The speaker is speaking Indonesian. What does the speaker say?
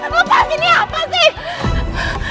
lepas ini apa sih